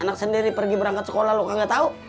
anak sendiri pergi berangkat sekolah lo kagak tau